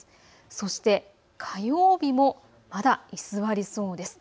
そして火曜日もまだ居座りそうです。